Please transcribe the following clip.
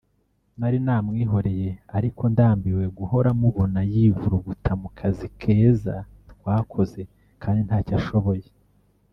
Nari namwihoreye ariko ndambiwe guhora mubona yivuruguta mu kazi keza twakoze kandi ntacyo ashoboye